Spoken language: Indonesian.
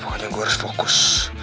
aduh pokoknya gue harus fokus